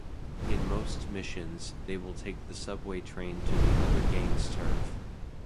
In most missions, they will take the subway train to the other gang's turf.